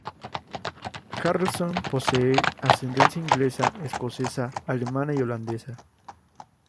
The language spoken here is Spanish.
Harrelson posee ascendencia inglesa, escocesa, alemana y holandesa.